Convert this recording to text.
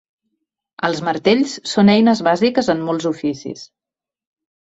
Els martells són eines bàsiques en molts oficis.